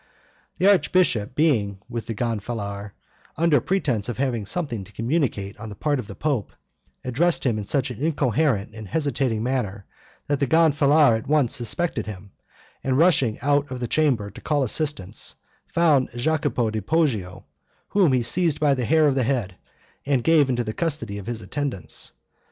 The archbishop being with the gonfalonier, under pretense of having something to communicate on the part of the pope, addressed him in such an incoherent and hesitating manner, that the gonfalonier at once suspected him, and rushing out of the chamber to call assistance, found Jacopo di Poggio, whom he seized by the hair of the head, and gave into the custody of his attendants.